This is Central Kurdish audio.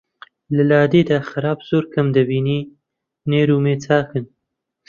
لە لادێدا خراب زۆر کەم دەبینی نێر و مێ چاکن